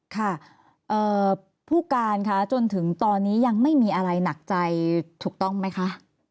ค่ะผู้การค่ะจนถึงตอนนี้ยังไม่มีอะไรหนักใจถูกต้องไหมคะ